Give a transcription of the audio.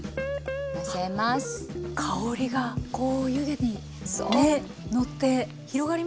香りがこう湯気にね乗って広がりますね。